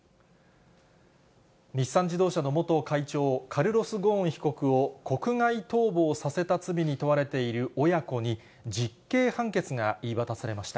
日産自動車の元会長、カルロス・ゴーン被告を国外逃亡させた罪に問われている親子に、実刑判決が言い渡されました。